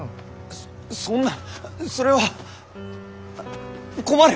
そそんなそれは困る！